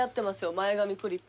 前髪クリップ。